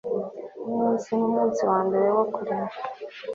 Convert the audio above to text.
Nkumunsi nkumunsi wambere wo kurema